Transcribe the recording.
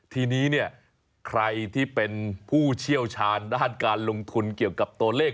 ทีนี้เนี่ยใครที่เป็นผู้เชี่ยวชาญด้านการลงทุนเกี่ยวกับตัวเลข